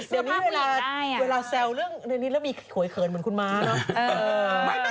สายเสื้อแบบบูบูใครใส่เสื้อมาให้